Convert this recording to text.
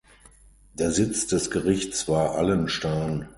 Der Sitz des Gerichts war Allenstein.